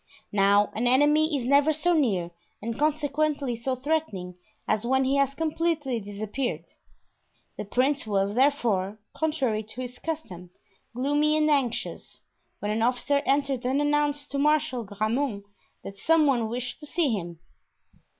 Now an enemy is never so near and consequently so threatening, as when he has completely disappeared. The prince was, therefore, contrary to his custom, gloomy and anxious, when an officer entered and announced to Marshal de Grammont that some one wished to see him.